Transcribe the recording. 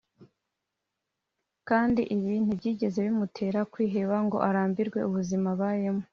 kandi ibi ntibyigeze bimutera kwiheba ngo arambirwe n’ubuzima abayemo